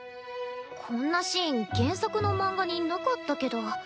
こんなシーン原作の漫画になかったけど。